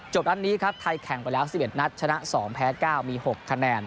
นัดนี้ครับไทยแข่งไปแล้ว๑๑นัดชนะ๒แพ้๙มี๖คะแนน